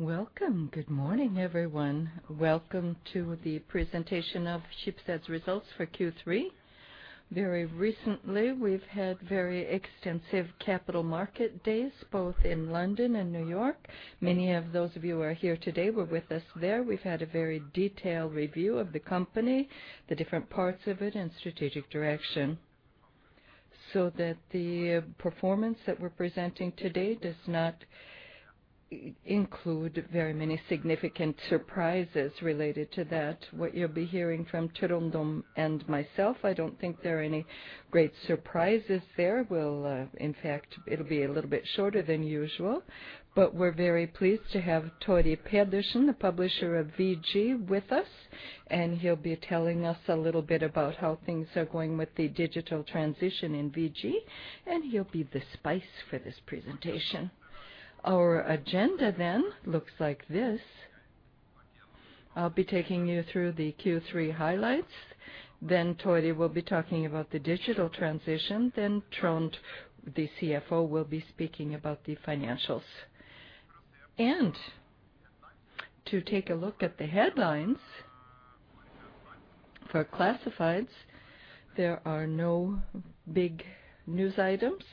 Welcome. Good morning, everyone. Welcome to the presentation of Schibsted's results for Q3. Very recently, we've had very extensive capital market days, both in London and New York. Many of those of you who are here today were with us there. We've had a very detailed review of the company, the different parts of it, and strategic direction, so that the performance that we're presenting today does not include very many significant surprises related to that. What you'll be hearing from Trond and myself, I don't think there are any great surprises there. We'll in fact, it'll be a little bit shorter than usual. We're very pleased to have Torry Pedersen, the publisher of VG, with us, and he'll be telling us a little bit about how things are going with the digital transition in VG, and he'll be the spice for this presentation. Our agenda looks like this. I'll be taking you through the Q3 highlights, Torry will be talking about the digital transition, Trond, the CFO, will be speaking about the financials. To take a look at the headlines for classifieds, there are no big news items.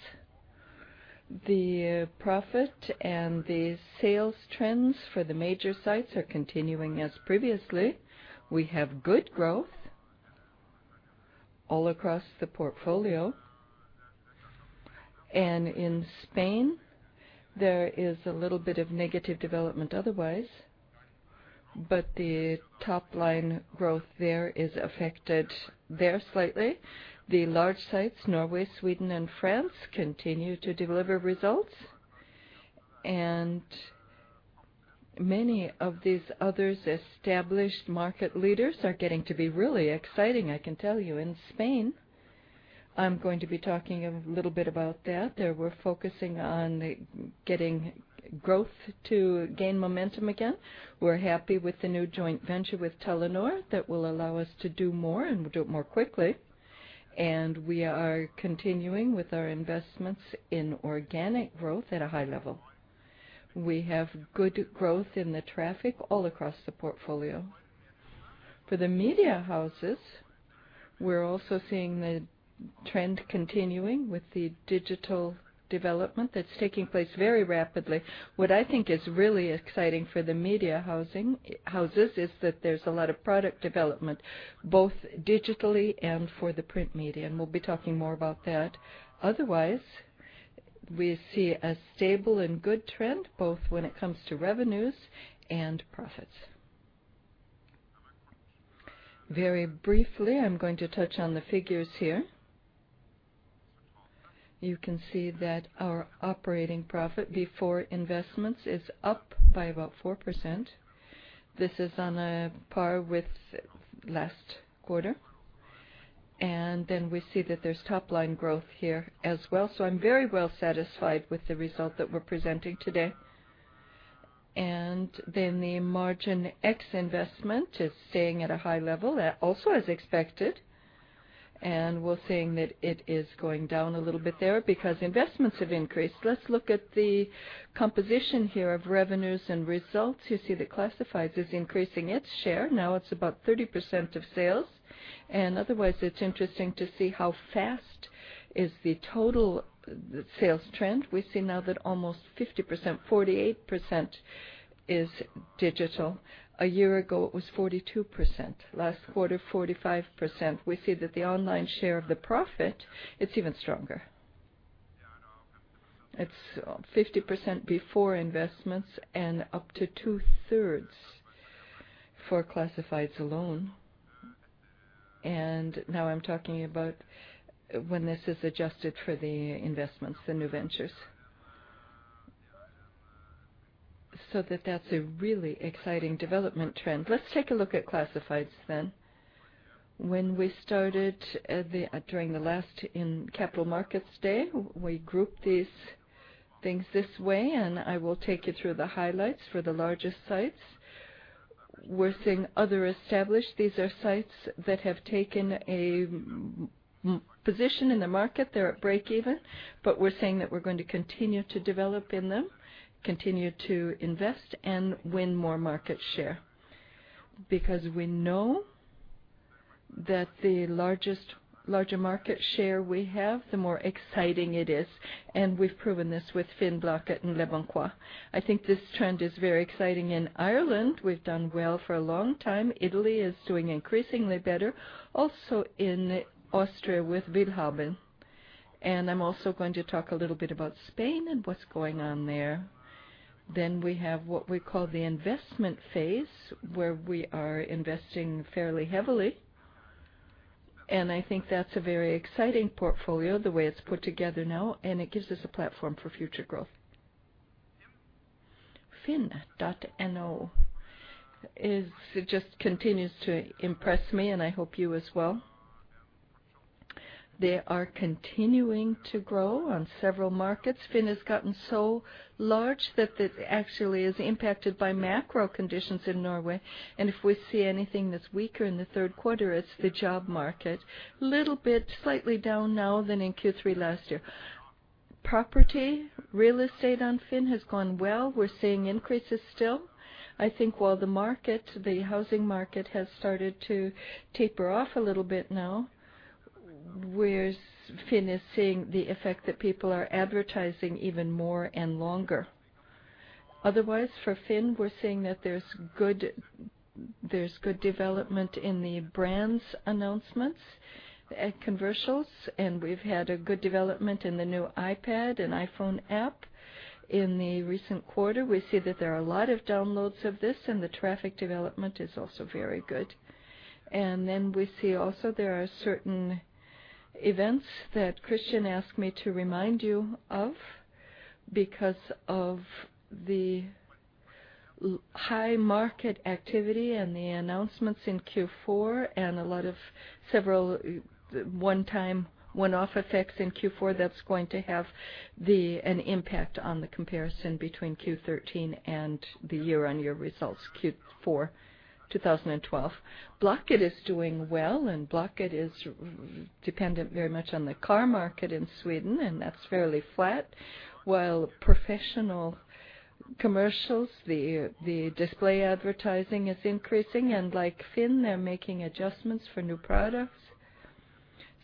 The profit and the sales trends for the major sites are continuing as previously. We have good growth all across the portfolio. In Spain, there is a little bit of negative development otherwise, but the top line growth there is affected there slightly. The large sites, Norway, Sweden and France, continue to deliver results. Many of these others, established market leaders, are getting to be really exciting, I can tell you. In Spain, I'm going to be talking a little bit about that. There we're focusing on getting growth to gain momentum again. We're happy with the new joint venture with Telenor. That will allow us to do more and do it more quickly. We are continuing with our investments in organic growth at a high level. We have good growth in the traffic all across the portfolio. For the media houses, we're also seeing the trend continuing with the digital development that's taking place very rapidly. What I think is really exciting for the media houses is that there's a lot of product development, both digitally and for the print media, we'll be talking more about that. Otherwise, we see a stable and good trend, both when it comes to revenues and profits. Very briefly, I'm going to touch on the figures here. You can see that our operating profit before investments is up by about 4%. This is on par with last quarter. We see that there's top line growth here as well. I'm very well satisfied with the result that we're presenting today. The margin X investment is staying at a high level, also as expected. We're seeing that it is going down a little bit there because investments have increased. Let's look at the composition here of revenues and results. You see that classifieds is increasing its share. Now it's about 30% of sales. Otherwise it's interesting to see how fast is the total sales trend. We see now that almost 50%, 48% is digital. A year ago, it was 42%. Last quarter, 45%. We see that the online share of the profit, it's even stronger. It's 50% before investments and up to 2/3 for classifieds alone. Now I'm talking about when this is adjusted for the investments, the new ventures. That that's a really exciting development trend. Let's take a look at classifieds then. When we started during the last in capital markets day, we grouped these things this way, and I will take you through the highlights for the largest sites. We're seeing other established. These are sites that have taken a position in the market. They're at break even. We're saying that we're going to continue to develop in them, continue to invest and win more market share, because we know that the larger market share we have, the more exciting it is. We've proven this with FINN Blocket and Leboncoin. I think this trend is very exciting in Ireland. We've done well for a long time. Italy is doing increasingly better, also in Austria with Willhaben. I'm also going to talk a little bit about Spain and what's going on there. We have what we call the investment phase, where we are investing fairly heavily. I think that's a very exciting portfolio, the way it's put together now, and it gives us a platform for future growth. FINN.no just continues to impress me, and I hope you as well. They are continuing to grow on several markets. FINN has gotten so large that it actually is impacted by macro conditions in Norway. If we see anything that's weaker in the third quarter, it's the job market. Little bit slightly down now than in Q3 last year. Property real estate on FINN has gone well. We're seeing increases still. I think while the market, the housing market, has started to taper off a little bit now, where FINN is seeing the effect that people are advertising even more and longer. Otherwise, for FINN, we're seeing that there's good development in the brands announcements at commercials, and we've had a good development in the new iPad and iPhone app. In the recent quarter, we see that there are a lot of downloads of this, and the traffic development is also very good. We see also there are certain events that Christian asked me to remind you of because of the high market activity and the announcements in Q4 and a lot of several, one time, one-off effects in Q4 that's going to have an impact on the comparison between Q13 and the year-on-year results, Q4 2012. Blocket is doing well, Blocket is dependent very much on the car market in Sweden, and that's fairly flat. While professional commercials, the display advertising is increasing, like FINN, they're making adjustments for new products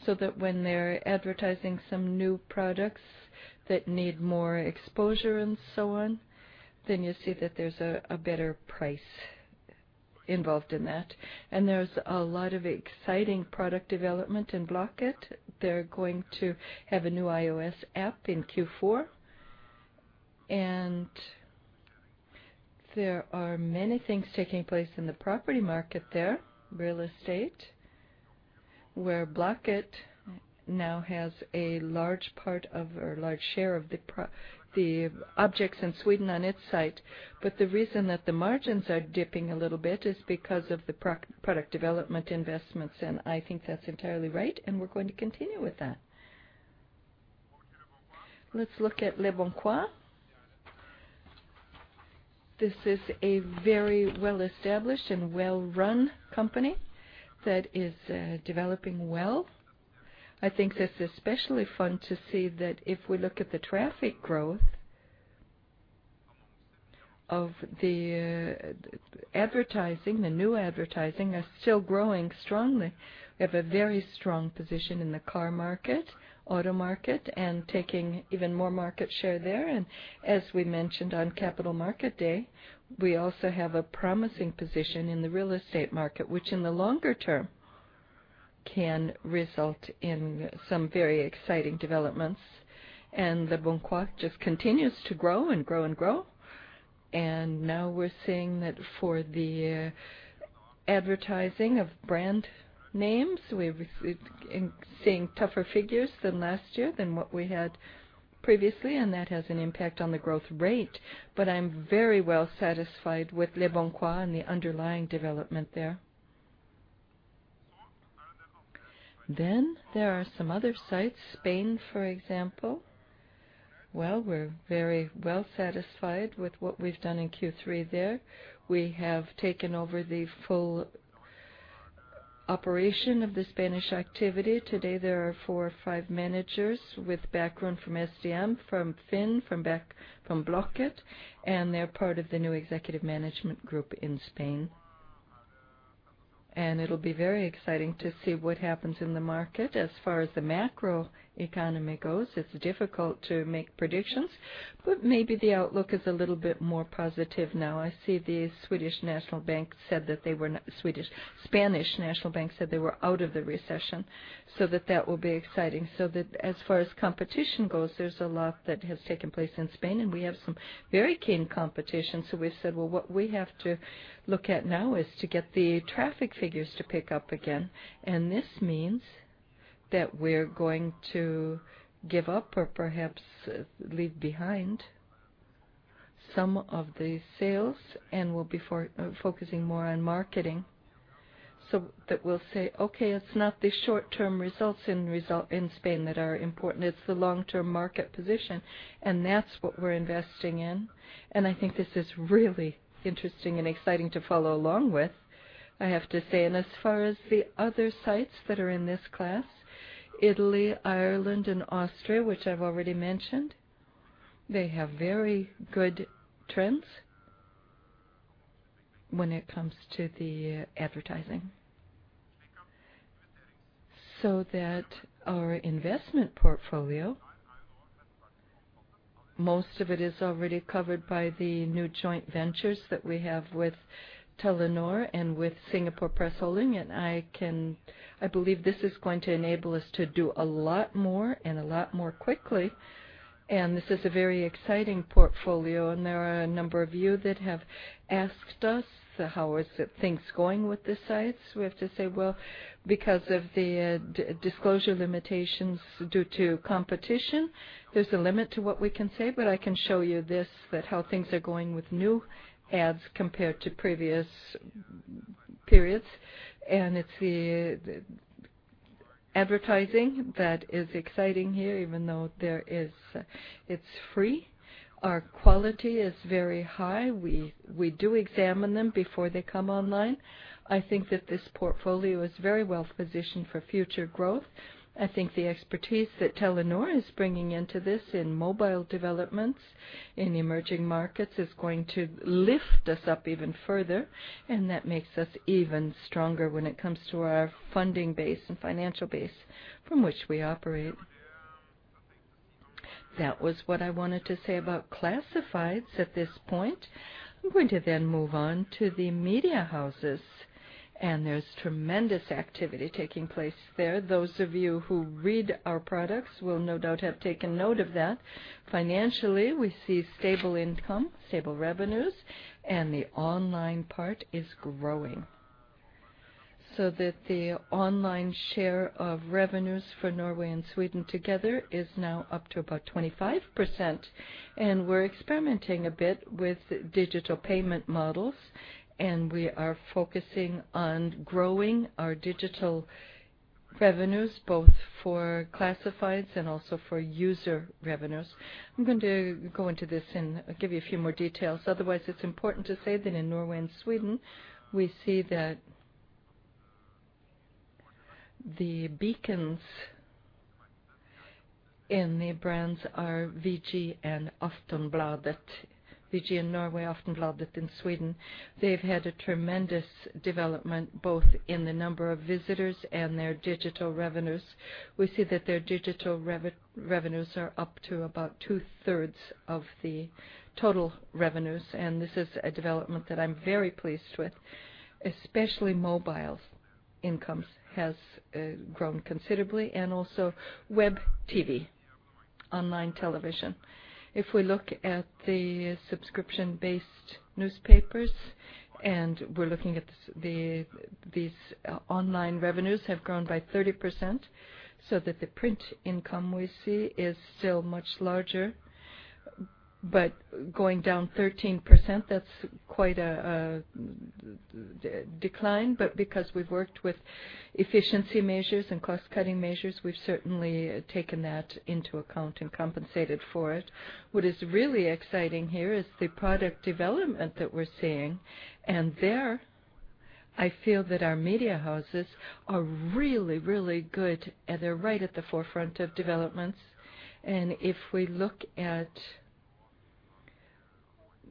so that when they're advertising some new products that need more exposure and so on, then you see that there's a better price involved in that. There's a lot of exciting product development in Blocket. They're going to have a new iOS app in Q4. There are many things taking place in the property market there, real estate, where Blocket now has a large part of or a large share of the objects in Sweden on its site. The reason that the margins are dipping a little bit is because of the product development investments. I think that's entirely right, and we're going to continue with that. Let's look at Leboncoin. This is a very well-established and well-run company that is developing well. I think that's especially fun to see that if we look at the traffic growth of the advertising, the new advertising are still growing strongly. We have a very strong position in the car market, auto market, and taking even more market share there. As we mentioned on Capital Market Day, we also have a promising position in the real estate market, which in the longer term can result in some very exciting developments. Leboncoin just continues to grow and grow and grow. Now we're seeing that for the advertising of brand names, we're seeing tougher figures than last year than what we had previously, and that has an impact on the growth rate. I'm very well satisfied with Leboncoin and the underlying development there. There are some other sites, Spain, for example. Well, we're very well satisfied with what we've done in Q3 there. We have taken over the full operation of the Spanish activity. Today, there are four or five managers with background from SDM, from FINN, from Blocket, and they're part of the new executive management group in Spain. It'll be very exciting to see what happens in the market. As far as the macro economy goes, it's difficult to make predictions, but maybe the outlook is a little bit more positive now. I see the Spanish National Bank said they were out of the recession, that will be exciting. As far as competition goes, there's a lot that has taken place in Spain, and we have some very keen competition. We said, "Well, what we have to look at now is to get the traffic figures to pick up again." This means that we're going to give up or perhaps leave behind some of the sales, and we'll be focusing more on marketing. We'll say, "Okay, it's not the short-term results in Spain that are important, it's the long-term market position," and that's what we're investing in. I think this is really interesting and exciting to follow along with, I have to say. As far as the other sites that are in this class, Italy, Ireland, and Austria, which I've already mentioned, they have very good trends when it comes to the advertising. Our investment portfolio, most of it is already covered by the new joint ventures that we have with Telenor and with Singapore Press Holdings. I believe this is going to enable us to do a lot more and a lot more quickly. This is a very exciting portfolio, and there are a number of you that have asked us, so how is things going with the sites? We have to say, well, because of the disclosure limitations due to competition, there's a limit to what we can say, but I can show you this, that how things are going with new ads compared to previous periods. It's the advertising that is exciting here, even though there is, it's free. Our quality is very high. We do examine them before they come online. I think that this portfolio is very well-positioned for future growth. I think the expertise that Telenor is bringing into this in mobile developments in emerging markets is going to lift us up even further, and that makes us even stronger when it comes to our funding base and financial base from which we operate. That was what I wanted to say about classifieds at this point. I'm going to then move on to the media houses, and there's tremendous activity taking place there. Those of you who read our products will no doubt have taken note of that. Financially, we see stable income, stable revenues, the online part is growing so that the online share of revenues for Norway and Sweden together is now up to about 25%. We're experimenting a bit with digital payment models, and we are focusing on growing our digital revenues, both for classifieds and also for user revenues. I'm going to go into this and give you a few more details. Otherwise, it's important to say that in Norway and Sweden, we see that the beacons in the brands are VG and Aftenbladet, VG in Norway, Aftenbladet in Sweden. They've had a tremendous development, both in the number of visitors and their digital revenues. We see that their digital revenues are up to about two-thirds of the total revenues, and this is a development that I'm very pleased with. Especially mobile's incomes has grown considerably and also web TV, online television. If we look at the subscription-based newspapers, and we're looking at these online revenues have grown by 30% so that the print income we see is still much larger. Going down 13%, that's quite a decline. Because we've worked with efficiency measures and cost-cutting measures, we've certainly taken that into account and compensated for it. What is really exciting here is the product development that we're seeing, and there I feel that our media houses are really good, and they're right at the forefront of developments. If we look at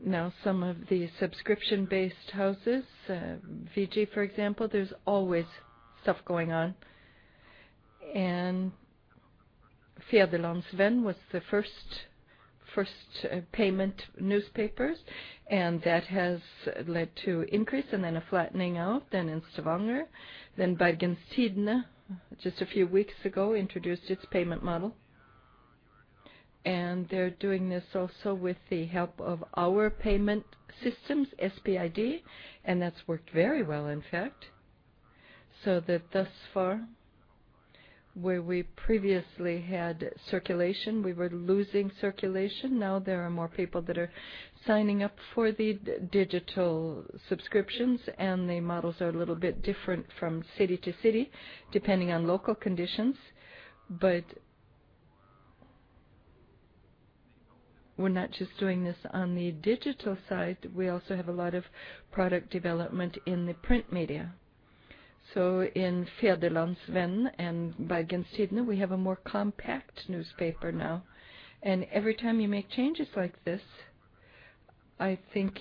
now some of the subscription-based houses, VG, for example, there's always stuff going on. Fædrelandsvennen was the first payment newspapers, and that has led to increase and then a flattening out. In Stavanger, Bergens Tidende just a few weeks ago introduced its payment model, and they're doing this also with the help of our payment systems, SPID, and that's worked very well, in fact. Thus far, where we previously had circulation, we were losing circulation. Now there are more people that are signing up for the digital subscriptions, and the models are a little bit different from city to city, depending on local conditions. We're not just doing this on the digital side. We also have a lot of product development in the print media. In Fædrelandsvennen and Bergens Tidende we have a more compact newspaper now. Every time you make changes like this, I think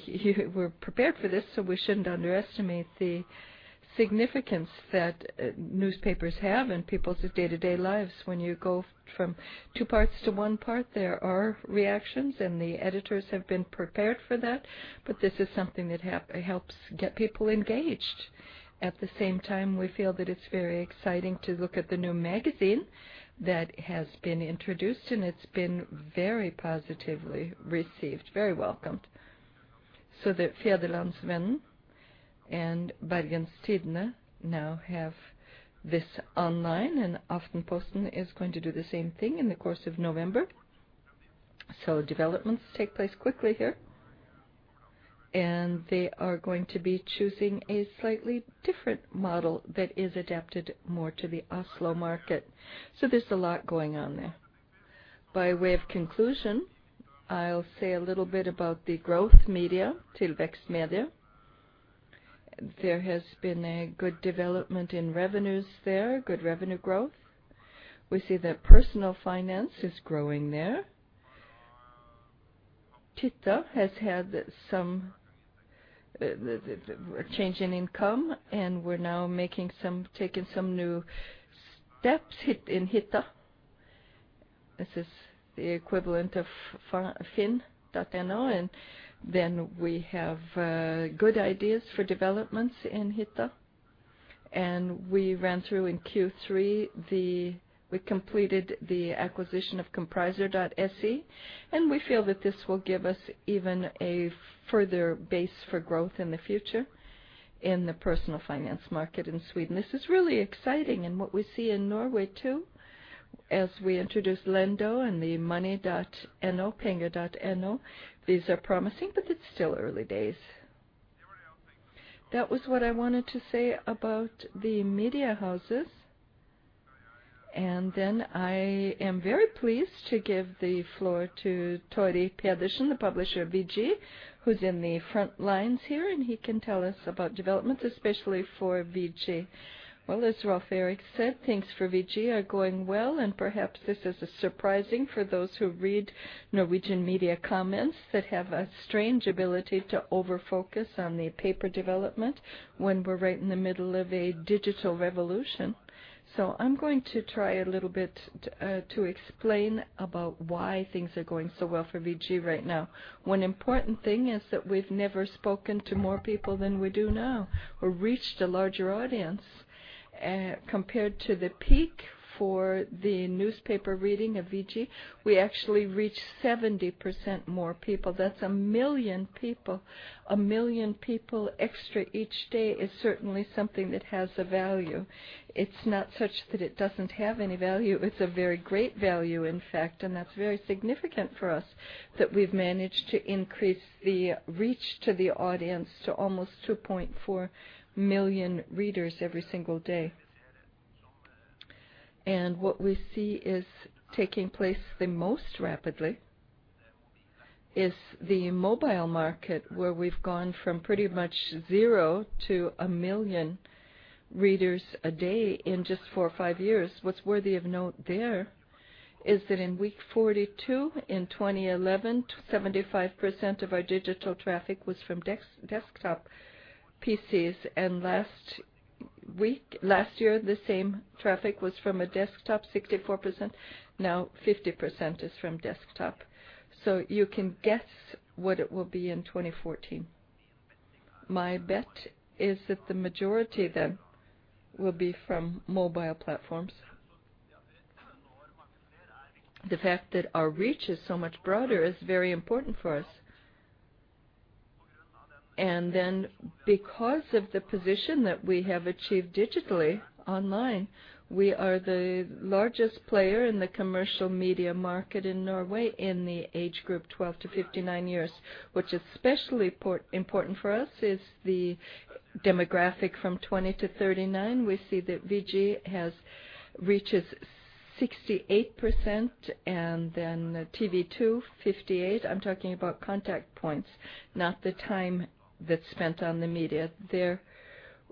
we're prepared for this, so we shouldn't underestimate the significance that newspapers have in people's day-to-day lives. When you go from two parts to one part, there are reactions, and the editors have been prepared for that. This is something that helps get people engaged. At the same time, we feel that it's very exciting to look at the new magazine that has been introduced, and it's been very positively received, very welcomed. The Fædrelandsvennen and Bergens Tidende now have this online, and Aftenposten is going to do the same thing in the course of November. Developments take place quickly here. They are going to be choosing a slightly different model that is adapted more to the Oslo market. There's a lot going on there. By way of conclusion, I'll say a little bit about the growth media, Tillväxtmedia. There has been a good development in revenues there, good revenue growth. We see that personal finance is growing there. Hitta has had some a change in income, and we're now taking some new steps in Hitta. This is the equivalent of FINN.no. We have good ideas for developments in Hitta. We ran through in Q3 we completed the acquisition of Compricer.se, and we feel that this will give us even a further base for growth in the future in the personal finance market in Sweden. This is really exciting, and what we see in Norway too, as we introduce Lendo and the money.no, penger.no, these are promising, but it's still early days. That was what I wanted to say about the media houses. I am very pleased to give the floor to Torry Pedersen, the publisher of VG, who's in the front lines here, and he can tell us about developments, especially for VG. Well, as Rolv Erik Ryssdal said, things for VG are going well, and perhaps this is surprising for those who read Norwegian media comments that have a strange ability to over-focus on the paper development when we're right in the middle of a digital revolution. I'm going to try a little bit to explain about why things are going so well for VG right now. One important thing is that we've never spoken to more people than we do now or reached a larger audience. Compared to the peak for the newspaper reading of VG, we actually reach 70% more people. That's a million people. A million people extra each day is certainly something that has a value. It's not such that it doesn't have any value. It's a very great value, in fact, and that's very significant for us that we've managed to increase the reach to the audience to almost 2.4 million readers every single day. What we see is taking place the most rapidly is the mobile market, where we've gone from pretty much 0 to 1 million readers a day in just 4 or 5 years. What's worthy of note there is that in week 42 in 2011, 75% of our digital traffic was from desktop PCs, and last year, the same traffic was from a desktop, 64%. Now 50% is from desktop. You can guess what it will be in 2014. My bet is that the majority of them will be from mobile platforms. The fact that our reach is so much broader is very important for us. Because of the position that we have achieved digitally online, we are the largest player in the commercial media market in Norway in the age group 12-59 years, which especially important for us is the demographic from 20-39. We see that VG has reaches 68%, TV 2, 58. I'm talking about contact points, not the time that's spent on the media. There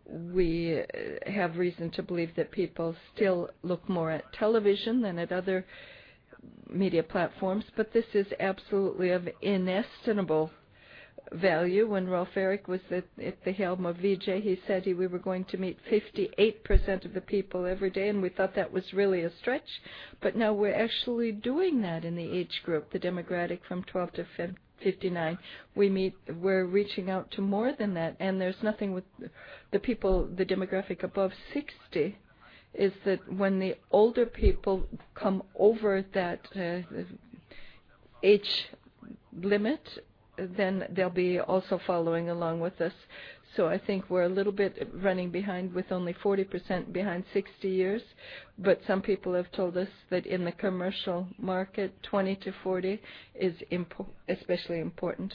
we have reason to believe that people still look more at television than at other media platforms, this is absolutely of inestimable value. When Rolv Erik was at the helm of VG, he said we were going to meet 58% of the people every day, we thought that was really a stretch. Now we're actually doing that in the age group, the demographic from 12-59. We're reaching out to more than that, there's nothing with the people. The demographic above 60 is that when the older people come over that age limit, they'll be also following along with us. I think we're a little bit running behind with only 40% behind 60 years. Some people have told us that in the commercial market, 20-40 is especially important.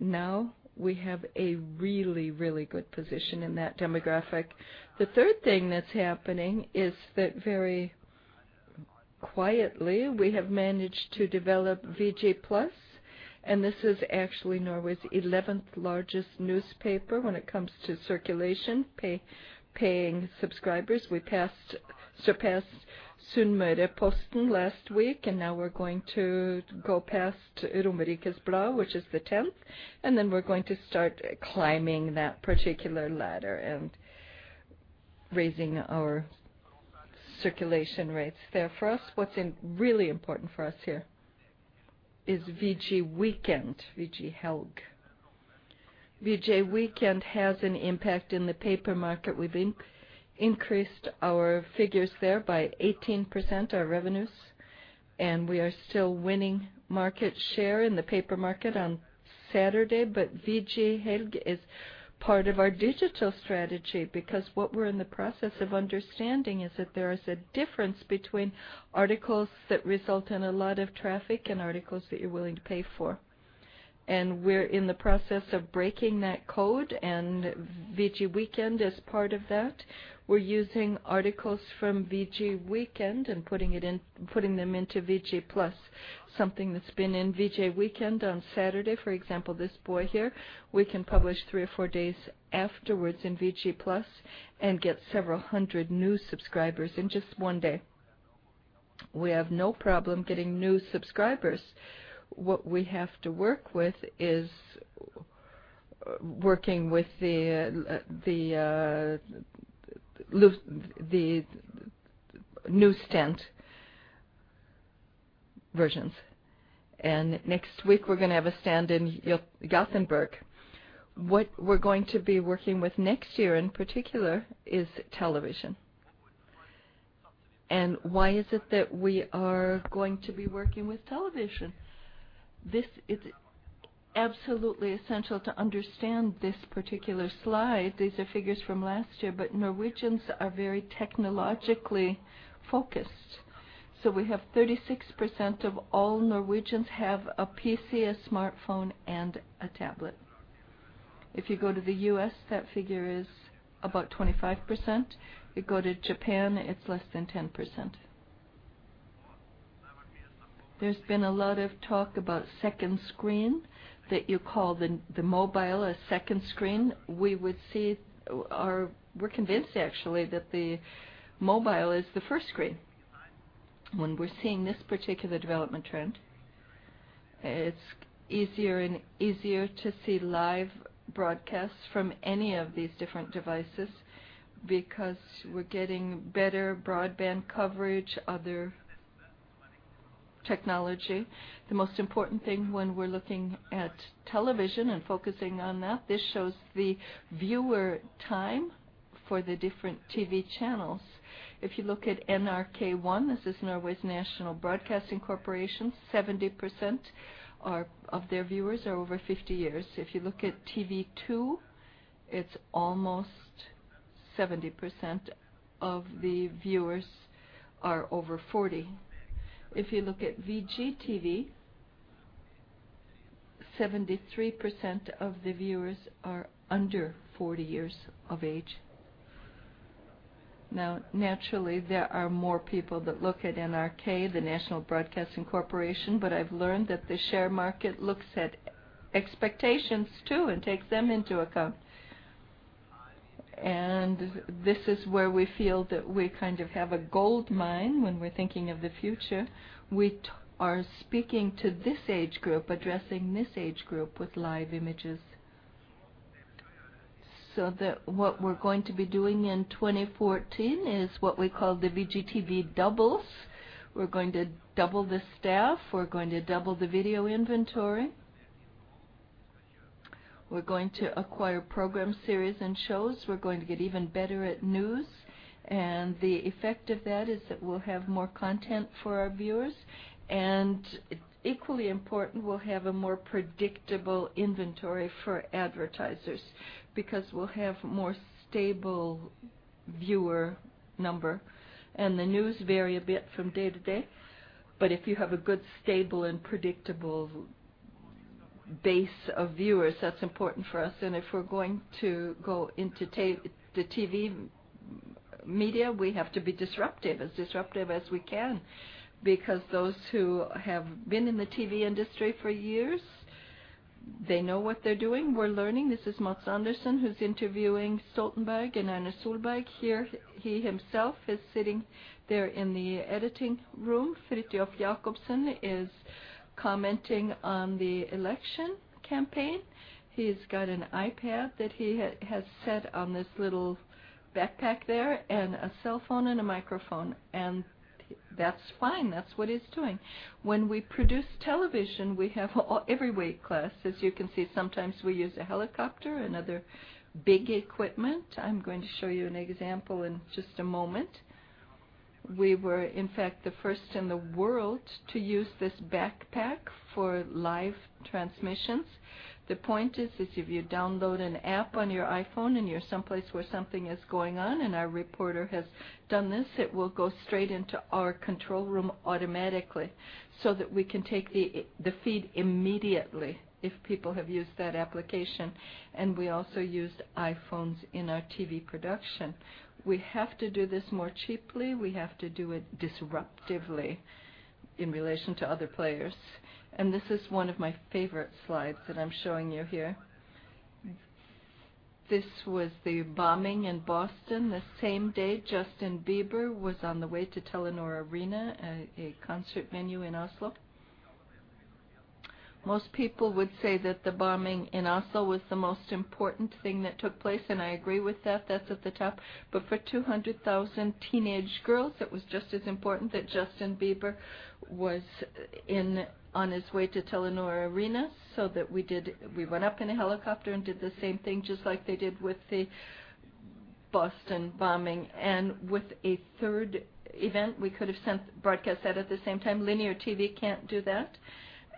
Now we have a really, really good position in that demographic. The third thing that's happening is that very quietly, we have managed to develop VG Plus, this is actually Norway's 11th largest newspaper when it comes to circulation, pay, paying subscribers. We surpassed Sunnmørsposten last week, and now we're going to go past Romerikes Blad, which is the 10th, and then we're going to start climbing that particular ladder and raising our circulation rates there. For us, what's really important for us here is VG Weekend, VG Helg. VG Weekend has an impact in the paper market. We've increased our figures there by 18%, our revenues, and we are still winning market share in the paper market on Saturday. VG Helg is part of our digital strategy because what we're in the process of understanding is that there is a difference between articles that result in a lot of traffic and articles that you're willing to pay for. We're in the process of breaking that code, and VG Weekend is part of that. We're using articles from VG Weekend and putting them into VG+. Something that's been in VG Weekend on Saturday, for example, this boy here, we can publish 3 or 4 days afterwards in VG+ and get several hundred new subscribers in just one day. We have no problem getting new subscribers. What we have to work with is working with the newsstand versions. Next week we're gonna have a stand in Gothenburg. What we're going to be working with next year, in particular, is television. Why is it that we are going to be working with television? This is absolutely essential to understand this particular slide. These are figures from last year, Norwegians are very technologically focused. We have 36% of all Norwegians have a PC, a smartphone, and a tablet. If you go to the U.S., that figure is about 25%. You go to Japan, it's less than 10%. There's been a lot of talk about second screen, that you call the mobile a second screen. We would see or we're convinced actually that the mobile is the first screen. When we're seeing this particular development trend, it's easier and easier to see live broadcasts from any of these different devices because we're getting better broadband coverage, other technology. The most important thing when we're looking at television and focusing on that, this shows the viewer time for the different TV channels. If you look at NRK1, this is Norwegian Broadcasting Corporation, 70% of their viewers are over 50 years. If you look at TV 2, it's almost 70% of the viewers are over 40. If you look at VGTV, 73% of the viewers are under 40 years of age. Naturally, there are more people that look at NRK, the National Broadcasting Corporation, but I've learned that the share market looks at expectations too and takes them into account. This is where we feel that we kind of have a goldmine when we're thinking of the future. We are speaking to this age group, addressing this age group with live images. What we're going to be doing in 2014 is what we call the VGTV Doubles. We're going to double the staff. We're going to double the video inventory. We're going to acquire program series and shows. We're going to get even better at news, the effect of that is that we'll have more content for our viewers. Equally important, we'll have a more predictable inventory for advertisers because we'll have more stable viewer number. The news vary a bit from day to day, but if you have a good, stable, and predictable base of viewers, that's important for us. If we're going to go into the TV media, we have to be disruptive, as disruptive as we can because those who have been in the TV industry for years, they know what they're doing. We're learning. This is Mads Andersen who's interviewing Stoltenberg and Erna Solberg. Here, he himself is sitting there in the editing room. Frithjof Jacobsen is commenting on the election campaign. He's got an iPad that he has set on this little backpack there and a cell phone and a microphone, and that's fine. That's what he's doing. When we produce television, we have every weight class. As you can see, sometimes we use a helicopter and other big equipment. I'm going to show you an example in just a moment. We were, in fact, the first in the world to use this backpack for live transmissions. The point is that if you download an app on your iPhone and you're someplace where something is going on, and our reporter has done this, it will go straight into our control room automatically, so that we can take the feed immediately if people have used that application. We also use iPhones in our TV production. We have to do this more cheaply. We have to do it disruptively in relation to other players. This is one of my favorite slides that I'm showing you here. This was the bombing in Boston. The same day, Justin Bieber was on the way to Telenor Arena, a concert venue in Oslo. Most people would say that the bombing in Oslo was the most important thing that took place. I agree with that. That's at the top. For 200,000 teenage girls, it was just as important that Justin Bieber was on his way to Telenor Arena, so that we did. We went up in a helicopter and did the same thing just like they did with the Boston bombing. With a third event, we could have sent, broadcast that at the same time. Linear TV can't do that.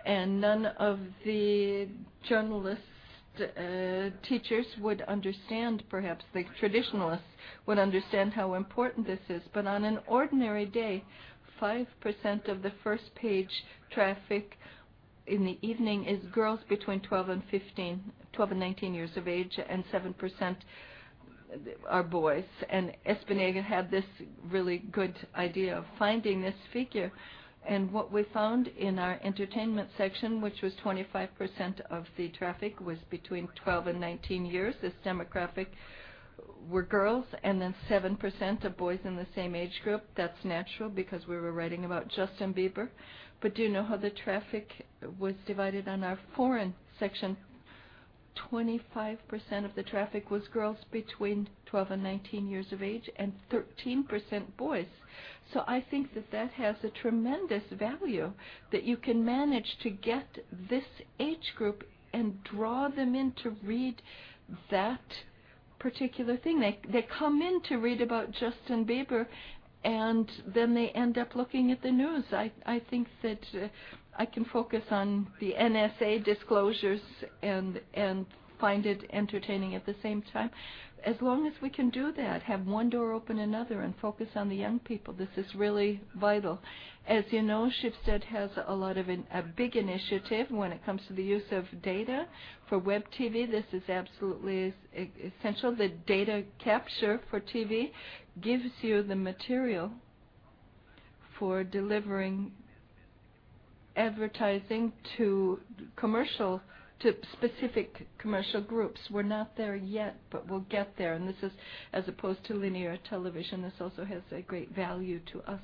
None of the journalist teachers would understand, perhaps the traditionalists would understand how important this is. On an ordinary day, 5% of the first page traffic in the evening is girls between 12 and 15, 12 and 19 years of age, and 7% are boys. Espen Egil had this really good idea of finding this figure. What we found in our entertainment section, which was 25% of the traffic, was between 12 and 19 years. This demographic were girls and then 7% of boys in the same age group. That's natural because we were writing about Justin Bieber. Do you know how the traffic was divided on our foreign section? 25% of the traffic was girls between 12 and 19 years of age, and 13% boys. I think that that has a tremendous value that you can manage to get this age group and draw them in to read that particular thing. They come in to read about Justin Bieber. Then they end up looking at the news. I think that I can focus on the NSA disclosures and find it entertaining at the same time. As long as we can do that, have one door open another and focus on the young people, this is really vital. As you know, Schibsted has a lot of a big initiative when it comes to the use of data for web TV. This is absolutely essential. The data capture for TV gives you the material for delivering advertising to specific commercial groups. We're not there yet, but we'll get there. This is as opposed to linear television. This also has a great value to us,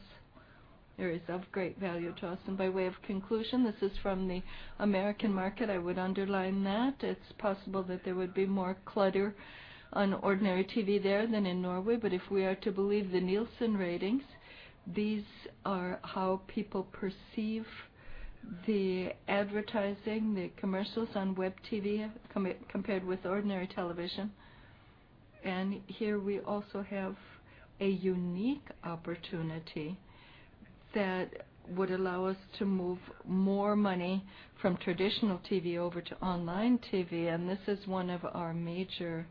or is of great value to us. By way of conclusion, this is from the American market. I would underline that. It's possible that there would be more clutter on ordinary TV there than in Norway. If we are to believe the Nielsen ratings, these are how people perceive the advertising, the commercials on web TV compared with ordinary television. Here we also have a unique opportunity that would allow us to move more money from traditional TV over to online TV. This is one of our major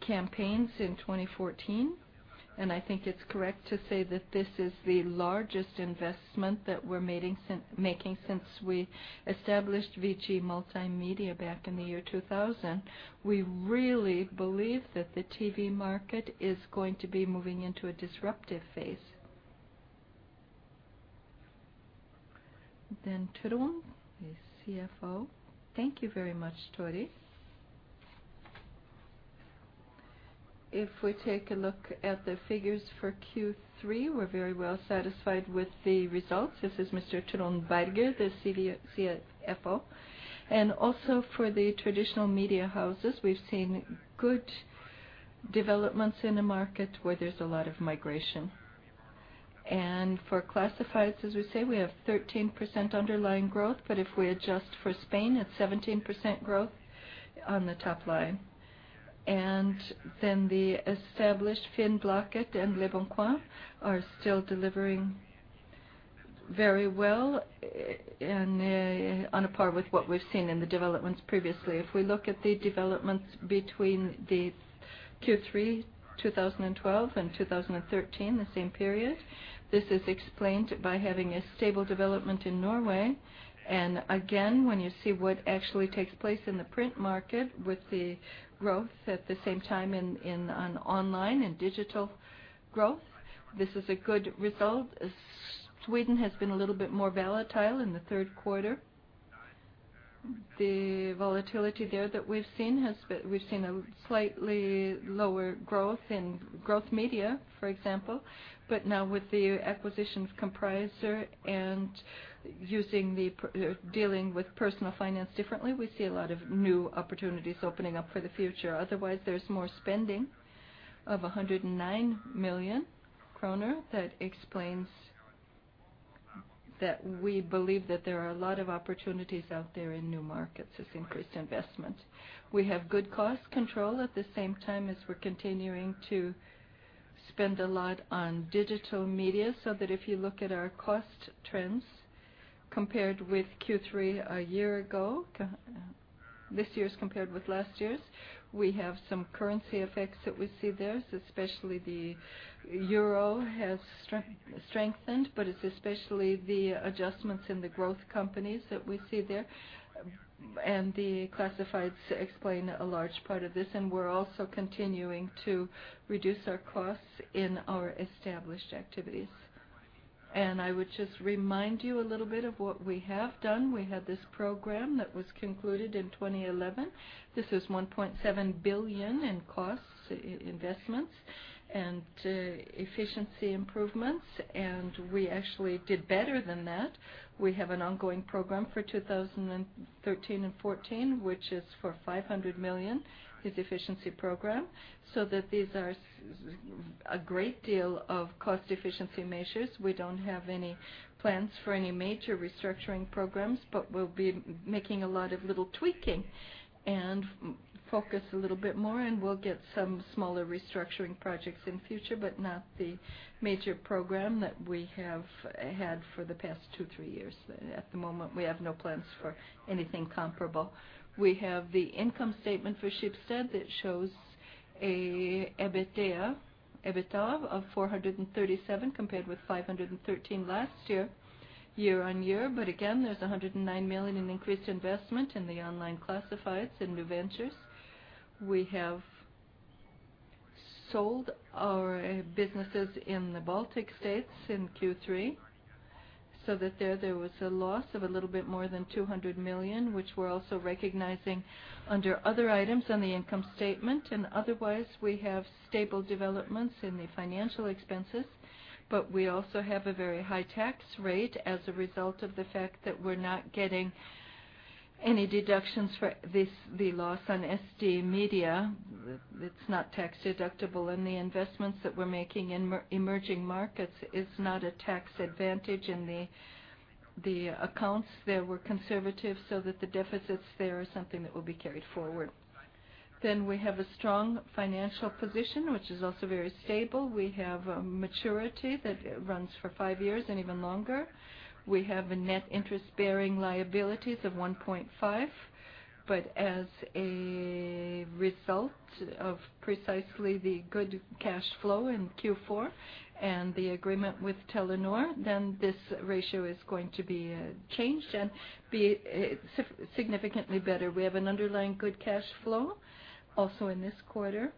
campaigns in 2014. I think it's correct to say that this is the largest investment that we're making since we established VG Multimedia back in the year 2000. We really believe that the TV market is going to be moving into a disruptive phase. Trond, the CFO. Thank you very much, Torry. If we take a look at the figures for Q3, we're very well satisfied with the results. This is Mr. Trond Berger, the CFO. Also for the traditional media houses, we've seen good developments in a market where there's a lot of migration. For classifieds, as we say, we have 13% underlying growth. If we adjust for Spain, it's 17% growth on the top line. Then the established FINN, Blocket and Leboncoin are still delivering very well and on a par with what we've seen in the developments previously. If we look at the developments between the Q3 2012 and 2013, the same period, this is explained by having a stable development in Norway. Again, when you see what actually takes place in the print market with the growth at the same time in online and digital growth, this is a good result. Sweden has been a little bit more volatile in the third quarter. The volatility there that we've seen has been. We've seen a slightly lower growth in Growth Media, for example. Now with the acquisitions Compricer and using the dealing with personal finance differently, we see a lot of new opportunities opening up for the future. Otherwise, there's more spending of 109 million kroner that explains that we believe that there are a lot of opportunities out there in new markets as increased investment. We have good cost control at the same time as we're continuing to spend a lot on digital media, so that if you look at our cost trends compared with Q3 a year ago, this year's compared with last year's, we have some currency effects that we see there. Especially the euro has strengthened, but it's especially the adjustments in the growth companies that we see there. The classifieds explain a large part of this, and we're also continuing to reduce our costs in our established activities. I would just remind you a little bit of what we have done. We had this program that was concluded in 2011. This is 1.7 billion in cost investments and efficiency improvements, and we actually did better than that. We have an ongoing program for 2013 and 2014, which is for 500 million, the efficiency program, so that these are a great deal of cost efficiency measures. We don't have any plans for any major restructuring programs, but we'll be making a lot of little tweaking and focus a little bit more, and we'll get some smaller restructuring projects in future, but not the major program that we have had for the past two, three years. At the moment, we have no plans for anything comparable. We have the income statement for Schibsted that shows a EBITDA of 437 compared with 513 last year-over-year. Again, there's 109 million in increased investment in the online classifieds and new ventures. We have sold our businesses in the Baltic States in Q3, that there was a loss of a little bit more than 200 million, which we're also recognizing under other items on the income statement. Otherwise, we have stable developments in the financial expenses. We also have a very high tax rate as a result of the fact that we're not getting any deductions for this, the loss on SD Media. It's not tax-deductible. The investments that we're making in emerging markets is not a tax advantage in The accounts there were conservative so that the deficits there are something that will be carried forward. We have a strong financial position, which is also very stable. We have a maturity that runs for five years and even longer. We have a net interest-bearing liabilities of 1.5. As a result of precisely the good cash flow in Q4 and the agreement with Telenor, this ratio is going to be changed and be significantly better. We have an underlying good cash flow also in this quarter.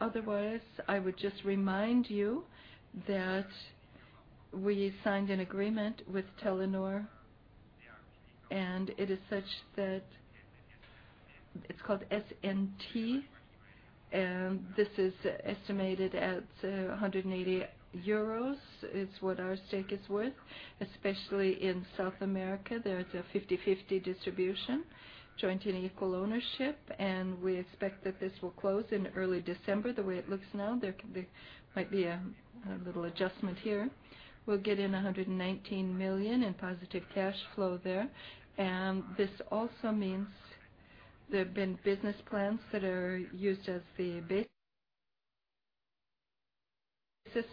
Otherwise, I would just remind you that we signed an agreement with Telenor, and it is such that it's called SNT, and this is estimated at 180 euros. It's what our stake is worth, especially in South America. There is a 50/50 distribution, joint and equal ownership, and we expect that this will close in early December, the way it looks now. There might be a little adjustment here. We'll get in 119 million in positive cash flow there. This also means there have been business plans that are used as the basis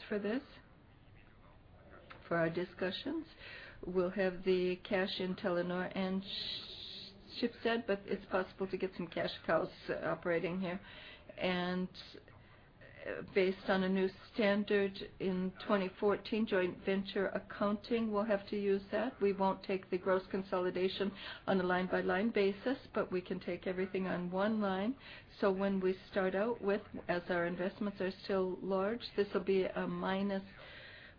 for this, for our discussions. We'll have the cash in Telenor and Schibsted, it's possible to get some cash cows operating here. Based on a new standard in 2014, joint venture accounting, we'll have to use that. We won't take the gross consolidation on a line-by-line basis, but we can take everything on one line. When we start out with, as our investments are still large, this will be a minus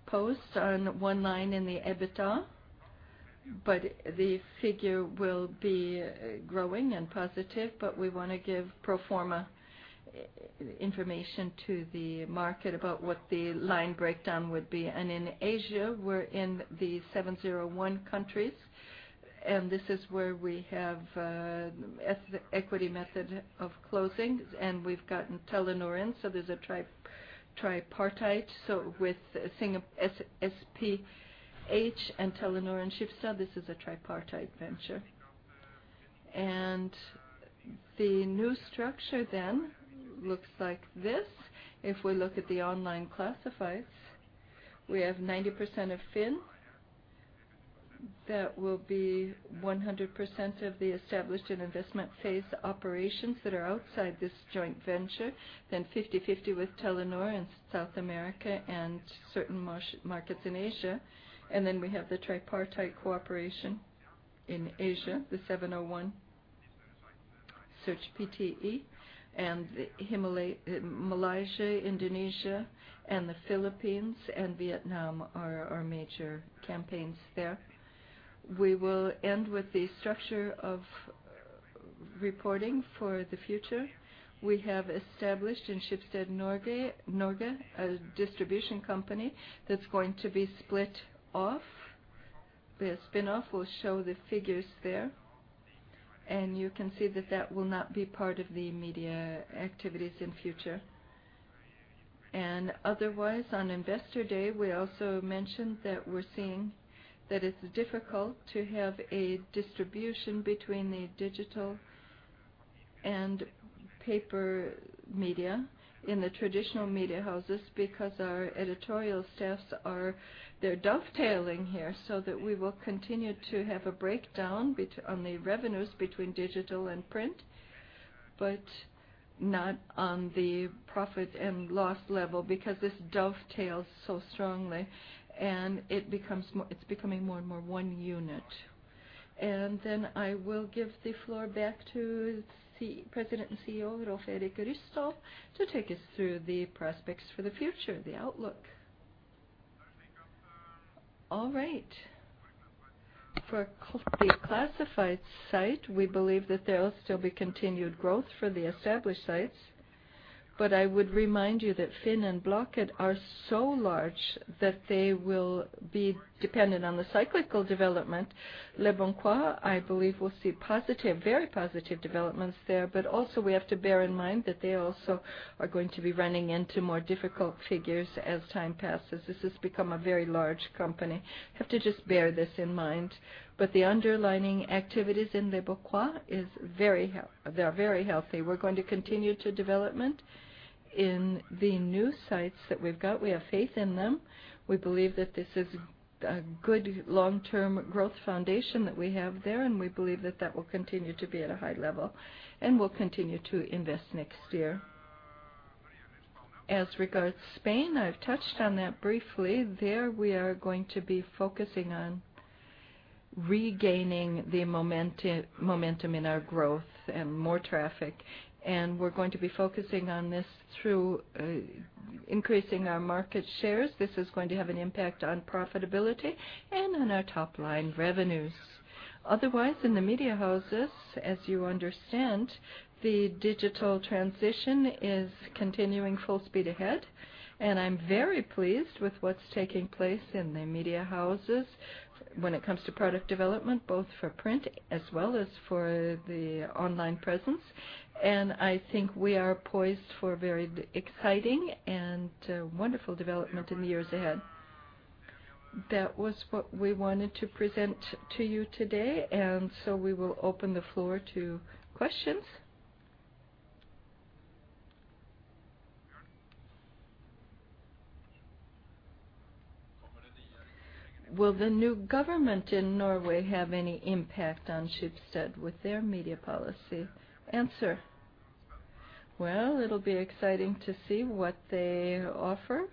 post on one line in the EBITDA, but the figure will be growing and positive, but we wanna give pro forma information to the market about what the line breakdown would be. In Asia, we're in the 701 countries, and this is where we have equity method of closing, and we've gotten Telenor in, so there's a tripartite. With SPH and Telenor and Schibsted, this is a tripartite venture. The new structure then looks like this. If we look at the online classifieds, we have 90% of FINN. That will be 100% of the established and investment phase operations that are outside this joint venture, then 50/50 with Telenor in South America and certain markets in Asia. We have the tripartite cooperation in Asia, the 701Search Pte. Ltd., ,and Malaysia, Indonesia, and the Philippines and Vietnam are our major campaigns there. We will end with the structure of reporting for the future. We have established in Schibsted Norge a distribution company that's going to be split off. The spin-off will show the figures there, and you can see that that will not be part of the media activities in future. Otherwise, on Investor Day, we also mentioned that we're seeing that it's difficult to have a distribution between the digital and paper media in the traditional media houses because our editorial staffs they're dovetailing here so that we will continue to have a breakdown on the revenues between digital and print, but not on the profit and loss level because this dovetails so strongly, and it's becoming more and more one unit. Then I will give the floor back to President and CEO Rolv Erik Ryssdal to take us through the prospects for the future, the outlook. All right. For the classifieds site, we believe that there will still be continued growth for the established sites. I would remind you that FINN and Blocket are so large that they will be dependent on the cyclical development. Leboncoin, I believe, will see positive, very positive developments there. Also, we have to bear in mind that they also are going to be running into more difficult figures as time passes. This has become a very large company. Have to just bear this in mind. The underlying activities in Leboncoin they are very healthy. We're going to continue to development in the new sites that we've got. We have faith in them. We believe that this is a good long-term growth foundation that we have there, and we believe that that will continue to be at a high level, and we'll continue to invest next year. As regards Spain, I've touched on that briefly. There we are going to be focusing on regaining the momentum in our growth and more traffic, and we're going to be focusing on this through increasing our market shares. This is going to have an impact on profitability and on our top-line revenues. Otherwise, in the media houses, as you understand, the digital transition is continuing full speed ahead, and I'm very pleased with what's taking place in the media houses when it comes to product development, both for print as well as for the online presence. I think we are poised for very exciting and wonderful development in the years ahead. That was what we wanted to present to you today. We will open the floor to questions. Will the new government in Norway have any impact on Schibsted with their media policy? Well, it'll be exciting to see what they offer.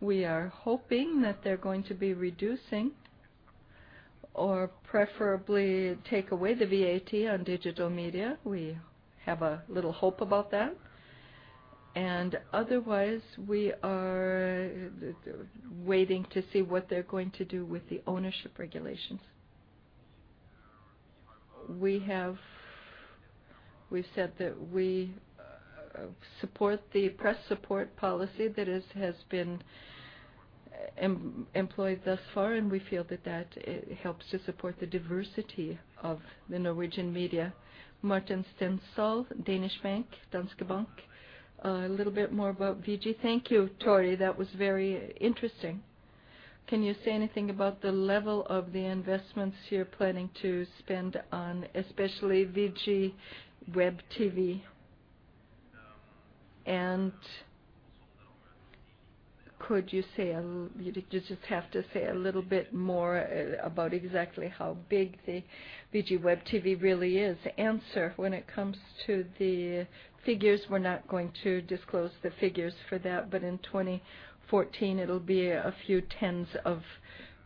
We are hoping that they're going to be reducing or preferably take away the VAT on digital media. We have a little hope about that. Otherwise, we are waiting to see what they're going to do with the ownership regulations. We've said that we support the press support policy that has been employed thus far, and we feel that, it helps to support the diversity of the Norwegian media. Martin Stenshall, Danske Bank. A little bit more about VG. Thank you, Tori. That was very interesting. Can you say anything about the level of the investments you're planning to spend on especially VGTV? Could you say a little bit more about exactly how big the VGTV really is? When it comes to the figures, we're not going to disclose the figures for that. In 2014, it'll be a few tens of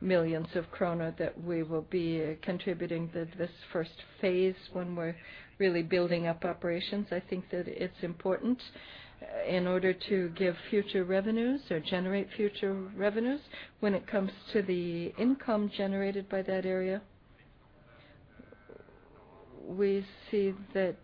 millions of NOK that we will be contributing. This first phase, when we're really building up operations, I think that it's important in order to give future revenues or generate future revenues. When it comes to the income generated by that area, we see that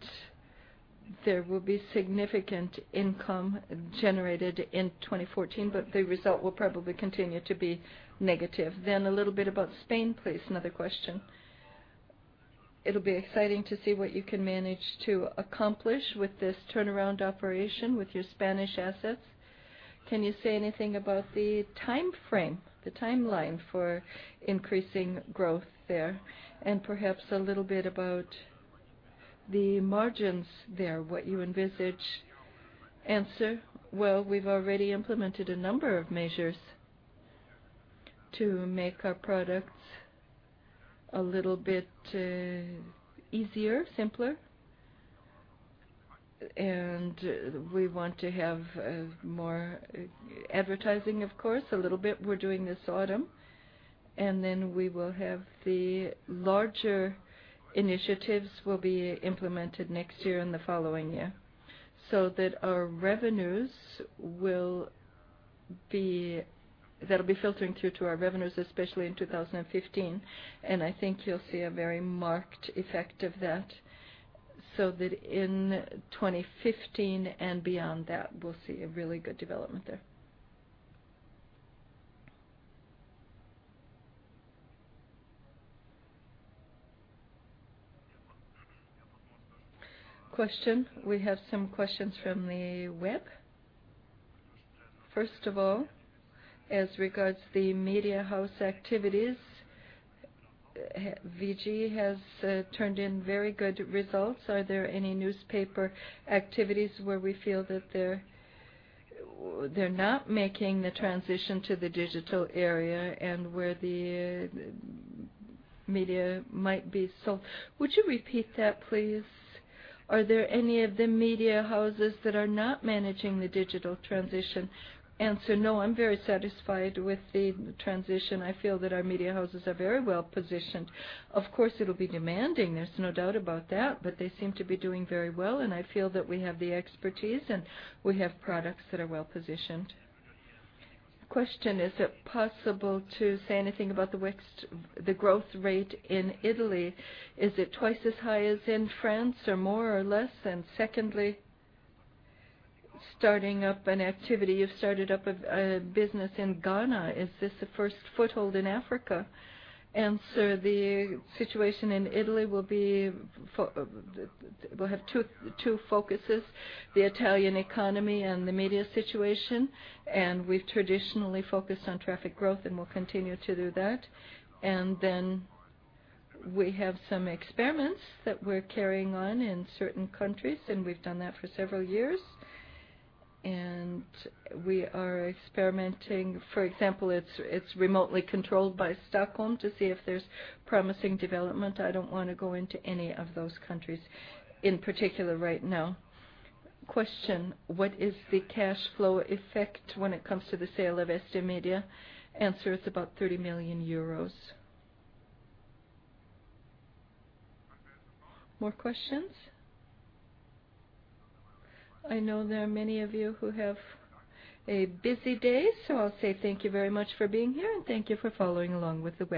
there will be significant income generated in 2014, but the result will probably continue to be negative. A little bit about Spain, please. Another question.It'll be exciting to see what you can manage to accomplish with this turnaround operation with your Spanish assets. Can you say anything about the timeframe, the timeline for increasing growth there? Perhaps a little bit about the margins there, what you envisage. Well, we've already implemented a number of measures to make our products a little bit easier, simpler. We want to have more advertising, of course, a little bit we're doing this autumn. Then we will have the larger initiatives will be implemented next year and the following year, so that our revenues will be filtering through to our revenues, especially in 2015. I think you'll see a very marked effect of that, so that in 2015 and beyond that, we'll see a really good development there. We have some questions from the web. First of all, as regards the media house activities, VG has turned in very good results. Are there any newspaper activities where we feel that they're not making the transition to the digital area and where the media might be sold? Would you repeat that, please? Are there any of the media houses that are not managing the digital transition? No, I'm very satisfied with the transition. I feel that our media houses are very well-positioned. Of course, it'll be demanding, there's no doubt about that, but they seem to be doing very well. I feel that we have the expertise and we have products that are well-positioned. Is it possible to say anything about the growth rate in Italy? Is it twice as high as in France or more or less? Secondly, starting up an activity. You've started up a business in Ghana. Is this a first foothold in Africa? The situation in Italy will have two focuses, the Italian economy and the media situation. We've traditionally focused on traffic growth, and we'll continue to do that. Then we have some experiments that we're carrying on in certain countries, and we've done that for several years. We are experimenting. For example, it's remotely controlled by Stockholm to see if there's promising development. I don't wanna go into any of those countries in particular right now. Question: What is the cash flow effect when it comes to the sale of Eesti Meedia? Answer: It's about EUR 30 million. More questions? I know there are many of you who have a busy day, so I'll say thank you very much for being here, and thank you for following along with the web.